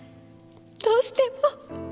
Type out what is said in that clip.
どうしても。